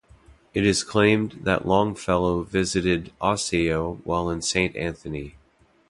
It is claimed that Longfellow visited Osseo while in Saint Anthony.